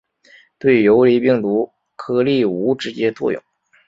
对游离病毒颗粒无直接作用。